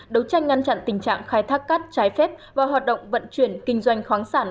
đấu tranh ngăn chặn tình trạng khai thác cát trái phép và hoạt động vận chuyển kinh doanh khoáng sản